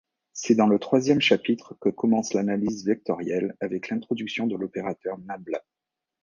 C'est dans le troisième chapitre que commence l'analyse vectorielle avec l'introduction de l'opérateur nabla.